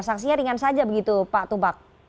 sanksinya ringan saja begitu pak tubak